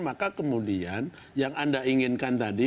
maka kemudian yang anda inginkan tadi